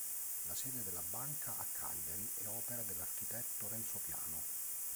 La sede della banca a Cagliari è opera dell'architetto Renzo Piano.